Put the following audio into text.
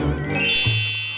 yuk gak mau aku